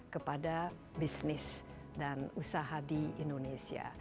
kepada bisnis dan usaha di indonesia